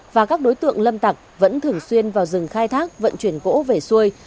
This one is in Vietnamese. và các đối tượng lâm tặc vẫn thường xuyên vào rừng khai thác vận chuyển gỗ về xuôi